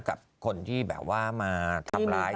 กับคนที่แบบว่ามาทำร้าย